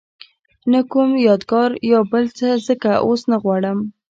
نه کوم یادګار یا بل څه ځکه اوس نه غواړم.